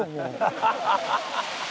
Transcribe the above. ハハハハハ。